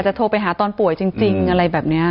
โทรไปหาตอนป่วยจริงอะไรแบบนี้